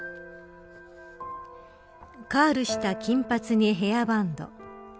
カールした金髪にヘアバンド。